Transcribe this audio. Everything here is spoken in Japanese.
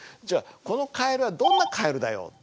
じゃあこのカエルはどんなカエルだよ。